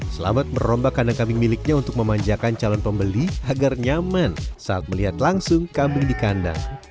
selamat merombak kandang kambing miliknya untuk memanjakan calon pembeli agar nyaman saat melihat langsung kambing di kandang